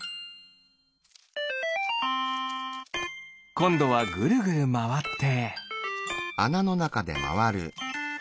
こんどはぐるぐるまわって。